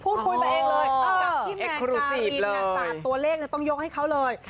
พูดคุยมาเองเลยกับพี่แมนทาวินสาดตัวเลขต้องยกให้เขาเลย